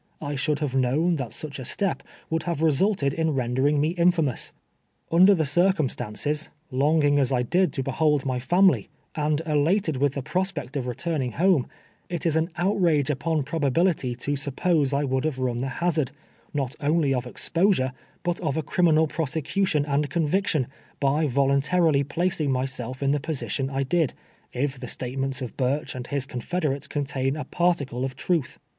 I should have known that such a step would have re sulted in rendering me infamous. Under the circum stances — longing as I did to behold my family, and elated with the prospect of returning home — it is an outrage upon probability to suppose I would have run the hazard, not only of ex^^osure, but of a criminal DEPAr.TL'RK FKOil WASHINGTOX. 319 prosecution aiul conviction, by voluntarilv placing myself in tlie position I did, if the statements of Burch and liis confederates contain a particle of truth.